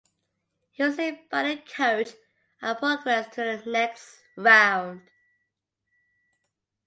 He was saved by the coach and progressed to the next round.